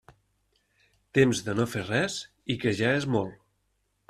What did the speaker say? Temps de no fer res, i que ja és molt.